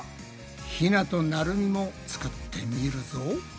ひなとなるみも作ってみるぞ！